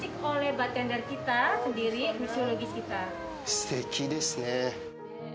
すてきですね。